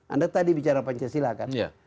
anda tadi bicara pancasila kan